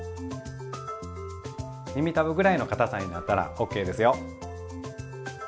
耳たぶぐらいのかたさになったらＯＫですよ。